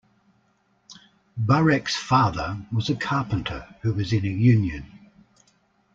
Barek's father was a carpenter who was in a union.